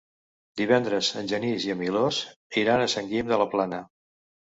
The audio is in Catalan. Divendres en Genís i en Milos iran a Sant Guim de la Plana.